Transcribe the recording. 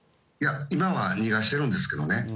今は逃がしているんですけどね。